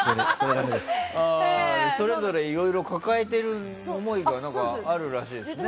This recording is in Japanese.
それぞれいろいろ抱えている思いがあるみたいだね。